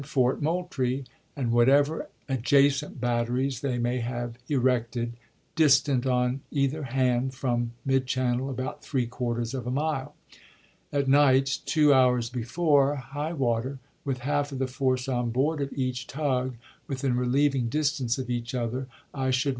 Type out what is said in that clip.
xxiii. Fort Moultrie, and whatever adjacent batteries they may have erected, distant on either hand from mid Fox, Mem channel about three quarters of a mile. At night, two Fe'ifcfi^i. hours before high water, with half the force on board of l" '*"' ^3L eacn tug, within relieving distance of each other, I should " 2oi.